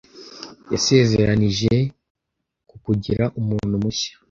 yasezeranije kukugira umuntu mushya